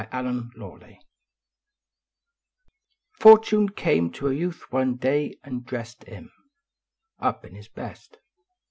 THE FATES Fortune came to a youth one day and dressed iin Up in liis best.